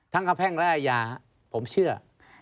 ทั้งกับแพ่งและอาญาผมเชื่อ